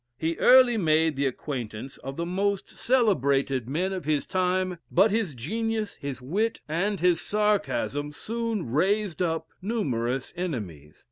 He early made the acquaintance of the most celebrated men of his time, but his genius, his wit, and his sarcasm, soon raised up numerous enemies.